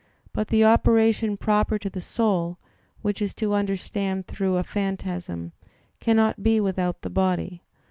But the operation proper to the soul, which is to understand through a phantasm, cannot be without the body.